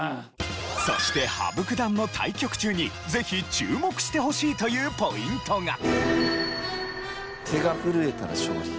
そして羽生九段の対局中にぜひ注目してほしいというポイントが。え！